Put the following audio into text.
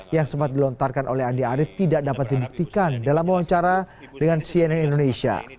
yang sempat dilontarkan oleh andi arief tidak dapat dibuktikan dalam wawancara dengan cnn indonesia